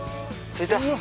着いた。